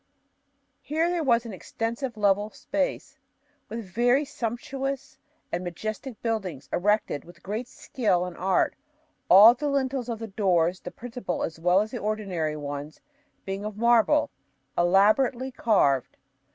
Here there was an extensive level space, with very sumptuous and majestic buildings, erected with great skill and art, all the lintels of the doors, the principal as well as the ordinary ones, being of marble, elaborately carved."